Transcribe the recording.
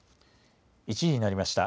１時になりました。